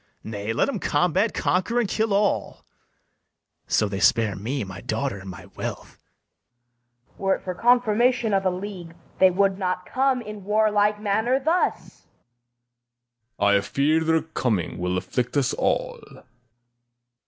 Nay, let 'em combat, conquer, and kill all, So they spare me, my daughter, and my wealth. [Aside.] FIRST JEW. Were it for confirmation of a league, They would not come in warlike manner thus. SECOND JEW. I fear their coming will afflict us all.